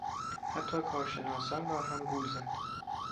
حتی کارشناسان را هم گول زد.